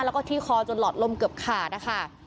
แล้วก็ที่คอจนหลอดลมเกือบขาดนะคะ